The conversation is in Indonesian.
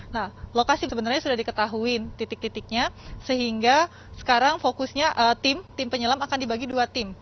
nah lokasi sebenarnya sudah diketahui titik titiknya sehingga sekarang fokusnya tim tim penyelam akan dibagi dua tim